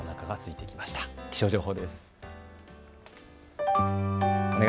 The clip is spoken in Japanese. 気象情報です。